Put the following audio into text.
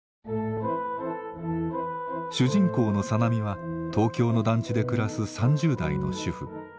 主人公の小波は東京の団地で暮らす３０代の主婦。